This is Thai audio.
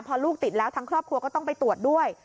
พอลูกติดแล้วทั้งครอบครัวก็ต้องไปตรวจด้วย